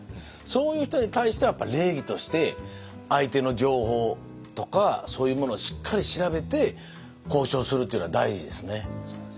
そういう人に対してはやっぱり礼儀として相手の情報とかそういうものをしっかり調べて交渉するというのは大事ですね。